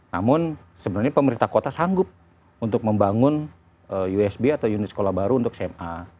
namun sebenarnya pemerintah kota sanggup untuk membangun usb atau unit sekolah baru untuk sma